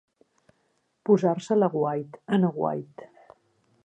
Posar-se a l'aguait, en aguait.